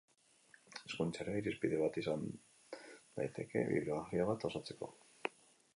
Hizkuntza ere irizpide bat izan daiteke bibliografia bat osatzeko.